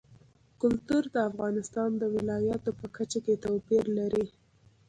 کلتور د افغانستان د ولایاتو په کچه توپیر لري.